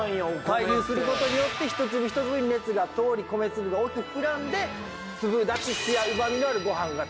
対流する事によって一粒一粒に熱が通り米粒が大きく膨らんで粒立ちツヤうまみのあるごはんが炊き上がるという。